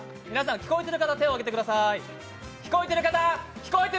聞こえている方手を上げてください！